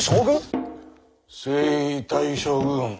征夷大将軍。